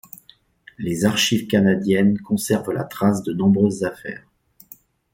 Les archives canadiennes conservent la trace de nombreuses affaires.